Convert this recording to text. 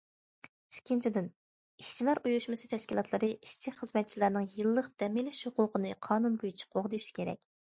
ئىككىنچىدىن، ئىشچىلار ئۇيۇشمىسى تەشكىلاتلىرى ئىشچى- خىزمەتچىلەرنىڭ يىللىق دەم ئېلىش ھوقۇقىنى قانۇن بويىچە قوغدىشى كېرەك.